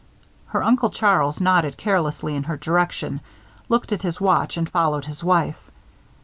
Her Uncle Charles nodded carelessly in her direction, looked at his watch, and followed his wife.